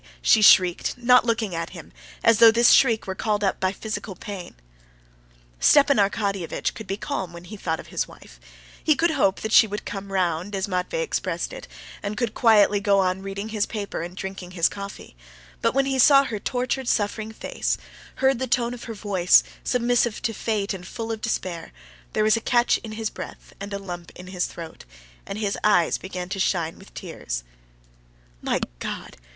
she shrieked, not looking at him, as though this shriek were called up by physical pain. Stepan Arkadyevitch could be calm when he thought of his wife, he could hope that she would come round, as Matvey expressed it, and could quietly go on reading his paper and drinking his coffee; but when he saw her tortured, suffering face, heard the tone of her voice, submissive to fate and full of despair, there was a catch in his breath and a lump in his throat, and his eyes began to shine with tears. "My God!